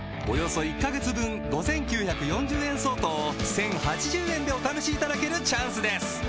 およそ１カ月分５９４０円相当を１０８０円でお試しいただけるチャンスです